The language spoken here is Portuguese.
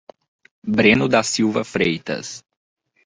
Breno da Silva Freitas